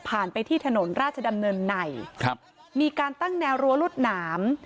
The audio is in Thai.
ไปที่ถนนราชดำเนินในครับมีการตั้งแนวรั้วรวดหนาม